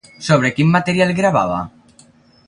Sobre quin material gravava?